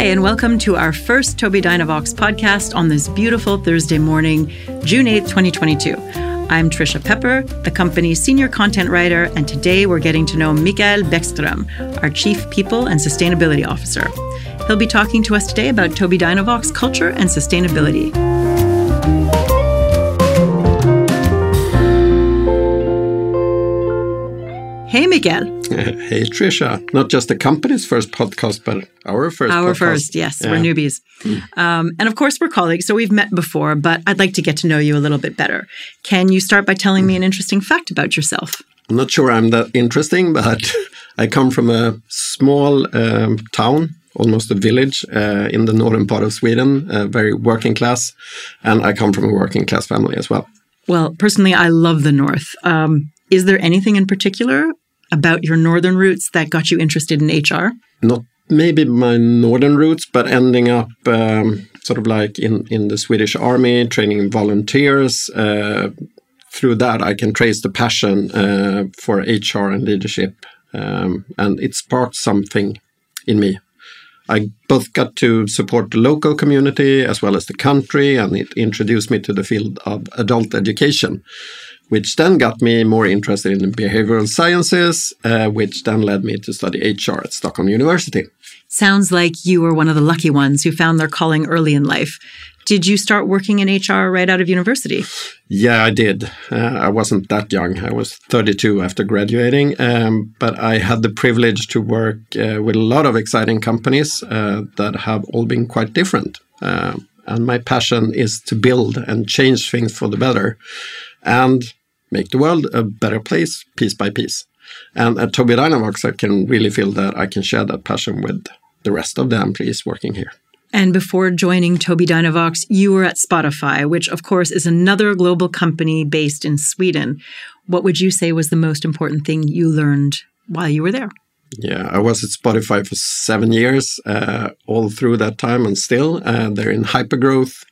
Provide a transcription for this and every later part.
Hi, and welcome to our first Tobii Dynavox podcast on this beautiful Thursday morning, June 8th, 2022. I'm Tricia Pepper, the company's Senior Content Writer, and today we're getting to know Mikael Bäckström, our Chief People and Sustainability Officer. He'll be talking to us today about Tobii Dynavox culture and sustainability. Hey, Mikael. Hey, Tricia. Not just the company's first podcast, but our first podcast. Our first, yes. Yeah. We're newbies. Of course we're colleagues, so we've met before, but I'd like to get to know you a little bit better. Can you start by telling me an interesting fact about yourself? I'm not sure I'm that interesting, but I come from a small town, almost a village, in the northern part of Sweden, very working class, and I come from a working class family as well. Well, personally, I love the north. Is there anything in particular about your northern roots that got you interested in HR? Not maybe my northern roots, but ending up, sort of like in the Swedish army training volunteers. Through that I can trace the passion for HR and Leadership, and it sparked something in me. I both got to support the local community as well as the country, and it introduced me to the field of adult education, which then got me more interested in Behavioral Sciences, which then led me to study HR at Stockholm University. Sounds like you were one of the lucky ones who found their calling early in life. Did you start working in HR right out of university? Yeah, I did. I wasn't that young. I was 32 after graduating, but I had the privilege to work with a lot of exciting companies that have all been quite different. My passion is to build and change things for the better and make the world a better place, piece by piece. At Tobii Dynavox I can really feel that I can share that passion with the rest of the employees working here. Before joining Tobii Dynavox, you were at Spotify, which of course is another global company based in Sweden. What would you say was the most important thing you learned while you were there? Yeah. I was at Spotify for seven years. All through that time and still, they're in hypergrowth,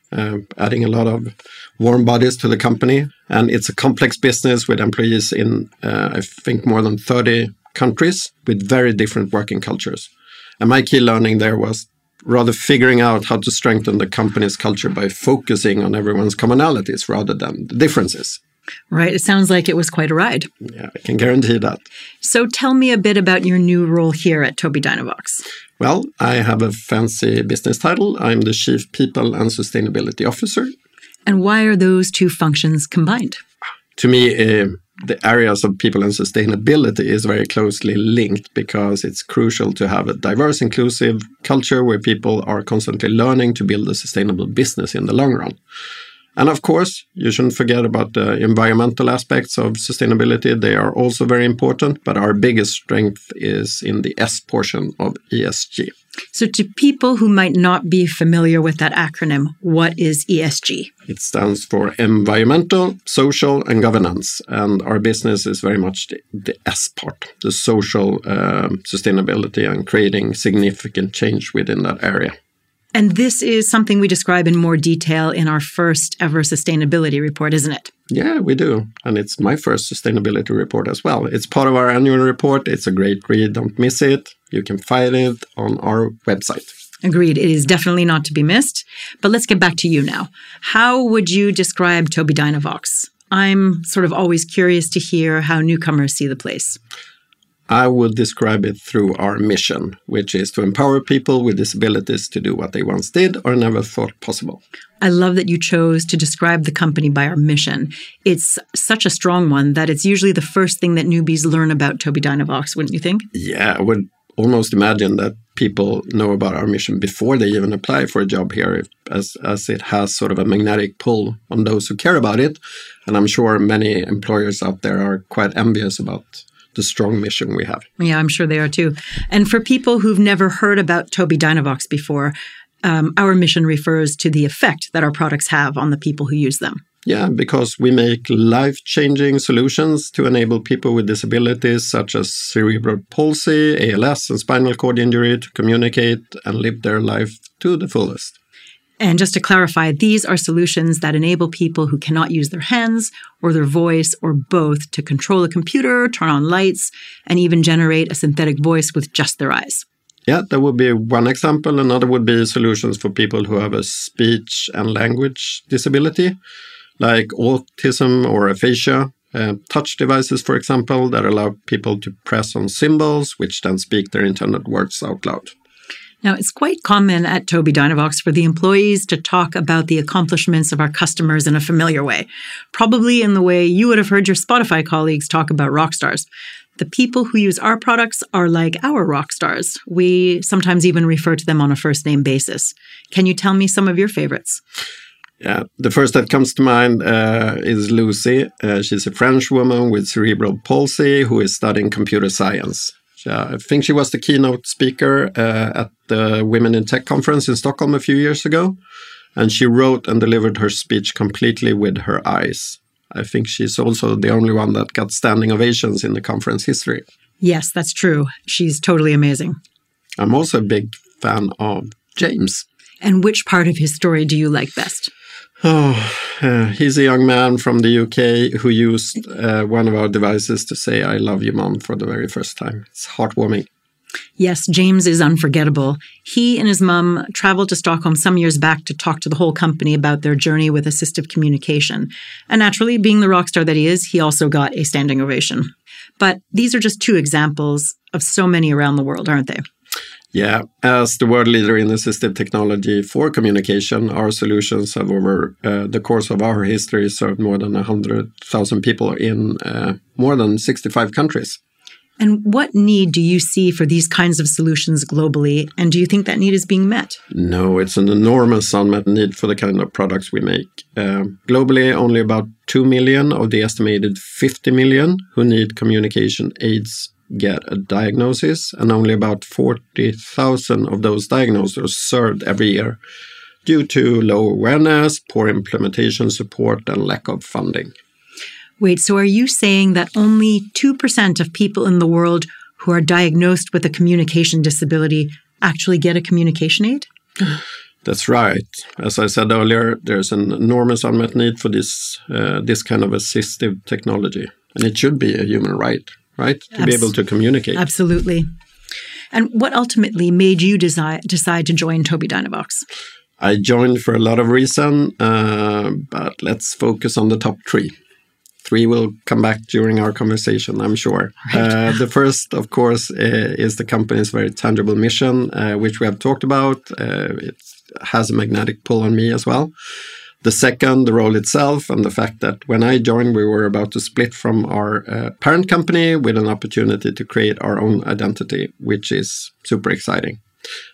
adding a lot of warm bodies to the company, and it's a complex business with employees in, I think more than 30 countries with very different working cultures. My key learning there was rather figuring out how to strengthen the company's culture by focusing on everyone's commonalities rather than the differences. Right. It sounds like it was quite a ride. Yeah, I can guarantee that. Tell me a bit about your new role here at Tobii Dynavox? Well, I have a fancy business title. I'm the Chief People & Sustainability Officer. Why are those two functions combined? To me, the areas of people and sustainability is very closely linked because it's crucial to have a diverse, inclusive culture where people are constantly learning to build a sustainable business in the long run. Of course, you shouldn't forget about the environmental aspects of sustainability. They are also very important, but our biggest strength is in the S portion of ESG. To people who might not be familiar with that acronym, what is ESG? It stands for Environmental, Social, and Governance, and our business is very much the S part, the social sustainability and creating significant change within that area. This is something we describe in more detail in our first ever sustainability report, isn't it? Yeah, we do, and it's my first sustainability report as well. It's part of our annual report. It's a great read. Don't miss it. You can find it on our website. Agreed. It is definitely not to be missed. Let's get back to you now. How would you describe Tobii Dynavox? I'm sort of always curious to hear how newcomers see the place. I would describe it through our mission, which is to empower people with disabilities to do what they once did or never thought possible. I love that you chose to describe the company by our mission. It's such a strong one that it's usually the first thing that newbies learn about Tobii Dynavox, wouldn't you think? Yeah. I would almost imagine that people know about our mission before they even apply for a job here as it has sort of a magnetic pull on those who care about it, and I'm sure many employers out there are quite envious about the strong mission we have. Yeah, I'm sure they are too. For people who've never heard about Tobii Dynavox before, our mission refers to the effect that our products have on the people who use them. Yeah, because we make life-changing solutions to enable people with disabilities such as cerebral palsy, ALS, and spinal cord injury to communicate and live their life to the fullest. Just to clarify, these are solutions that enable people who cannot use their hands or their voice or both to control a computer, turn on lights, and even generate a synthetic voice with just their eyes. Yeah. That would be one example. Another would be solutions for people who have a speech and language disability, like autism or aphasia. Touch devices, for example, that allow people to press on symbols which then speak their intended words out loud. Now, it's quite common at Tobii Dynavox for the employees to talk about the accomplishments of our customers in a familiar way, probably in the way you would have heard your Spotify colleagues talk about rock stars. The people who use our products are like our rock stars. We sometimes even refer to them on a first name basis. Can you tell me some of your favorites? Yeah. The first that comes to mind is Lucy. She's a French woman with cerebral palsy who is studying computer science. I think she was the keynote speaker at the Women in Tech Conference in Stockholm a few years ago, and she wrote and delivered her speech completely with her eyes. I think she's also the only one that got standing ovations in the conference history. Yes, that's true. She's totally amazing. I'm also a big fan of James. Which part of his story do you like best? Oh, he's a young man from the U.K. who used one of our devices to say, "I love you, Mom," for the very first time. It's heartwarming. Yes, James is unforgettable. He and his mom traveled to Stockholm some years back to talk to the whole company about their journey with assistive communication, and naturally, being the rock star that he is, he also got a standing ovation. These are just two examples of so many around the world, aren't they? Yeah. As the world leader in Assistive Technology for communication, our solutions have, over, the course of our history, served more than 100,000 people in, more than 65 countries. What need do you see for these kinds of solutions globally, and do you think that need is being met? No, it's an enormous unmet need for the kind of products we make. Globally, only about 2 million of the estimated 50 million who need communication aids get a diagnosis, and only about 40,000 of those diagnosed are served every year due to low awareness, poor implementation support, and lack of funding. Wait, are you saying that only 2% of people in the world who are diagnosed with a communication disability actually get a communication aid? That's right. As I said earlier, there's an enormous unmet need for this kind of Assistive Technology, and it should be a human right? Abs- To be able to communicate. Absolutely. What ultimately made you decide to join Tobii Dynavox? I joined for a lot of reason, but let's focus on the top three. Three we'll come back during our conversation, I'm sure. Right. The first, of course, is the company's very tangible mission, which we have talked about. It has a magnetic pull on me as well. The second, the role itself, and the fact that when I joined, we were about to split from our parent company with an opportunity to create our own identity, which is super exciting.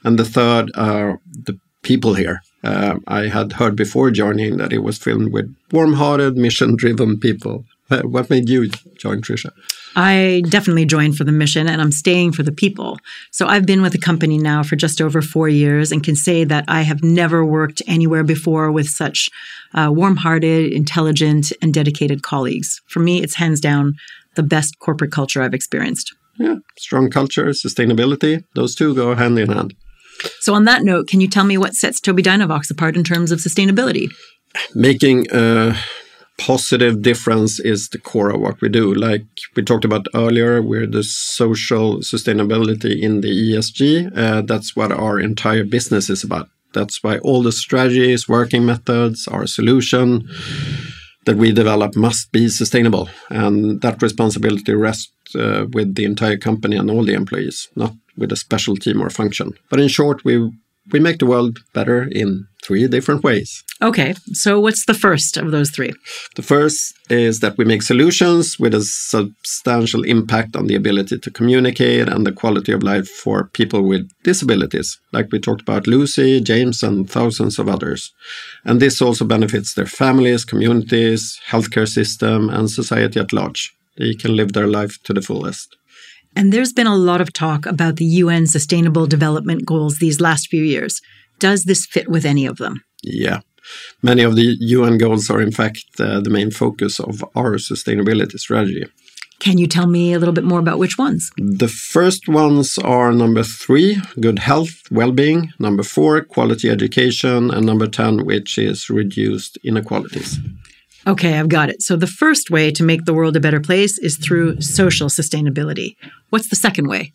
The third are the people here. I had heard before joining that it was filled with warm-hearted, mission-driven people. What made you join, Tricia? I definitely joined for the mission, and I'm staying for the people. I've been with the company now for just over four years and can say that I have never worked anywhere before with such, warm-hearted, intelligent, and dedicated colleagues. For me, it's hands down the best corporate culture I've experienced. Yeah. Strong culture, sustainability, those two go hand in hand. On that note, can you tell me what sets Tobii Dynavox apart in terms of sustainability? Making a positive difference is the core of what we do. Like we talked about earlier, we're the social sustainability in the ESG. That's what our entire business is about. That's why all the strategies, working methods, our solution that we develop must be sustainable, and that responsibility rests with the entire company and all the employees, not with a special team or function. In short, we make the world better in three different ways. Okay, what's the first of those three? The first is that we make solutions with a substantial impact on the ability to communicate and the quality of life for people with disabilities, like we talked about Lucy, James, and thousands of others, and this also benefits their families, communities, healthcare system, and society at large. They can live their life to the fullest. There's been a lot of talk about the UN Sustainable Development Goals these last few years. Does this fit with any of them? Yeah. Many of the UN goals are, in fact, the main focus of our sustainability strategy. Can you tell me a little bit more about which ones? The first ones are number three, good health, well-being, number four, quality education, and number 10, which is reduced inequalities. Okay, I've got it. The first way to make the world a better place is through social sustainability. What's the second way?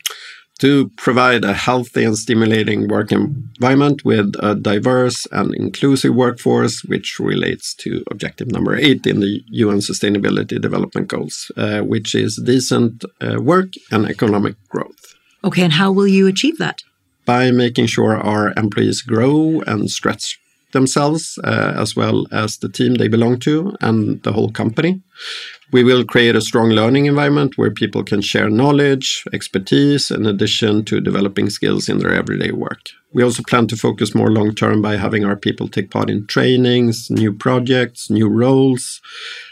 To provide a healthy and stimulating work environment with a diverse and inclusive workforce, which relates to objective number eight in the UN Sustainable Development Goals, which is decent work and economic growth. Okay, how will you achieve that? By making sure our employees grow and stretch themselves, as well as the team they belong to and the whole company. We will create a strong learning environment where people can share knowledge, expertise, in addition to developing skills in their everyday work. We also plan to focus more long term by having our people take part in trainings, new projects, new roles,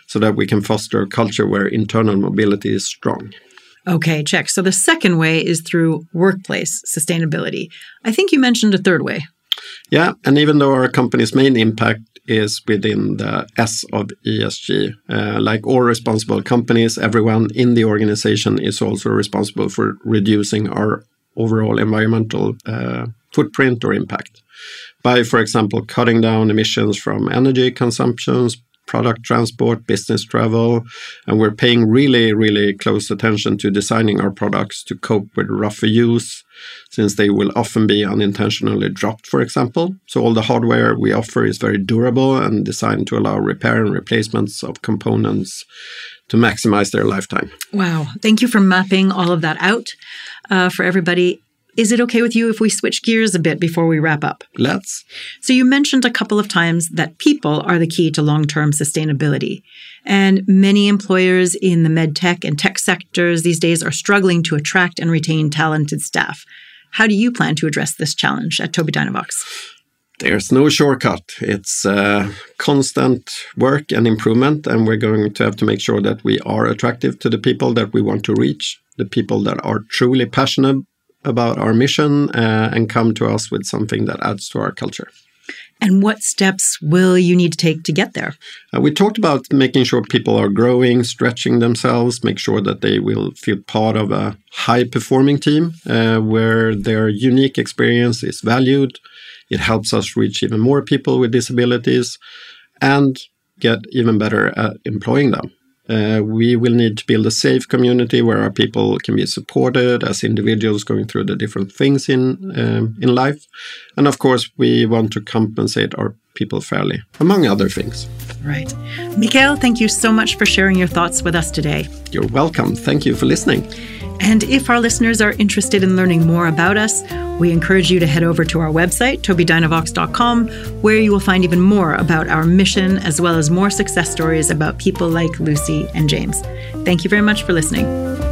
so that we can foster a culture where internal mobility is strong. Okay, check. The second way is through workplace sustainability. I think you mentioned a third way. Yeah, even though our company's main impact is within the S of ESG, like all responsible companies, everyone in the organization is also responsible for reducing our overall environmental footprint or impact by, for example, cutting down emissions from energy consumptions, product transport, business travel, and we're paying really, really close attention to designing our products to cope with rougher use since they will often be unintentionally dropped, for example. All the hardware we offer is very durable and designed to allow repair and replacements of components to maximize their lifetime. Wow. Thank you for mapping all of that out, for everybody. Is it okay with you if we switch gears a bit before we wrap up? Let's. You mentioned a couple of times that people are the key to long-term sustainability, and many employers in the med tech and tech sectors these days are struggling to attract and retain talented staff. How do you plan to address this challenge at Tobii Dynavox? There's no shortcut. It's constant work and improvement, and we're going to have to make sure that we are attractive to the people that we want to reach, the people that are truly passionate about our mission, and come to us with something that adds to our culture. What steps will you need to take to get there? We talked about making sure people are growing, stretching themselves, make sure that they will feel part of a high-performing team, where their unique experience is valued. It helps us reach even more people with disabilities and get even better at employing them. We will need to build a safe community where our people can be supported as individuals going through the different things in life, and of course, we want to compensate our people fairly, among other things. Right. Mikael, thank you so much for sharing your thoughts with us today. You're welcome. Thank you for listening. If our listeners are interested in learning more about us, we encourage you to head over to our website, tobiidynavox.com, where you will find even more about our mission as well as more success stories about people like Lucy and James. Thank you very much for listening.